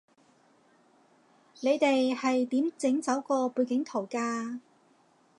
你哋係點整走個背景圖㗎